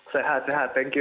sehat sehat thank you